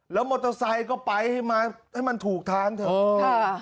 แล้วมอเตอร์ไซต์ก็ไปให้มันถูกท้านเถอะ